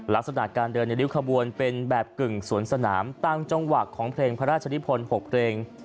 ลักษณะการเดินในริ้วขบวนเป็นแบบกึ่งสวนสนามตั้งจังหวะของเพลงพระราชนิพล๖เพลง